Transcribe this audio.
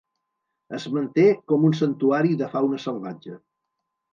Es manté com un santuari de fauna salvatge.